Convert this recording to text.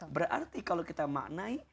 berarti kalau kita maknai